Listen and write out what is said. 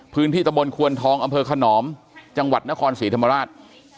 ตะบนควนทองอำเภอขนอมจังหวัดนครศรีธรรมราช